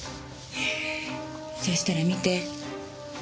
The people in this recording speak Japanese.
そうしたら見て。